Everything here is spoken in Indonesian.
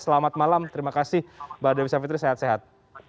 selamat malam terima kasih mbak dewi savitri sehat sehat